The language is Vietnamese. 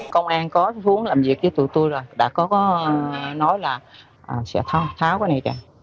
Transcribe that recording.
công an có hướng làm việc với tụi tôi rồi đã có nói là sẽ tháo cái này ra